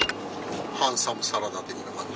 ハンサムサラダ的な感じ？